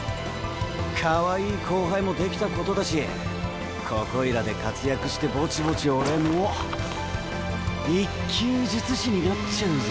かわいい後輩もできたことだしここいらで活躍してぼちぼち俺も１級術師になっちゃうぞ。